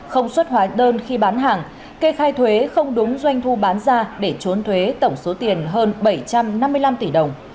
không xuất hóa đơn khi bán hàng kê khai thuế không đúng doanh thu bán ra để trốn thuế tổng số tiền hơn bảy trăm năm mươi năm tỷ đồng